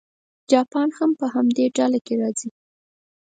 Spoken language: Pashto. جاپان هم په همدې ډله کې راځي.